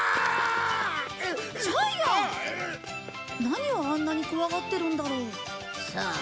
何をあんなに怖がってるんだろう？さあ。